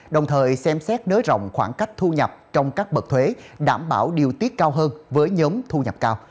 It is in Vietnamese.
đồng thời xem xét nới rộng khoảng cách thu nhập trong các bậc thuế đảm bảo điều tiết cao hơn với nhóm thu nhập cao